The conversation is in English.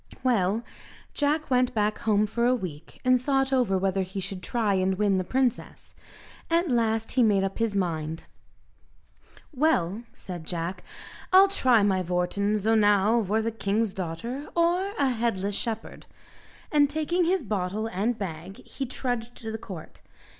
Well, Jack went back home for a week, and thought over whether he should try and win the princess. At last he made up his mind. "Well," said Jack, "I'll try my vorton; zo now vor the king's daughter, or a headless shepherd!" And taking his bottle and bag, he trudged to the court.